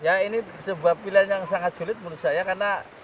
ya ini sebuah pilihan yang sangat sulit menurut saya karena